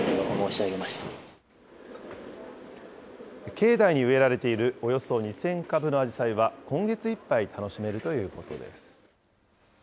境内に植えられているおよそ２０００株のあじさいは、今月いっぱい楽しめるということです。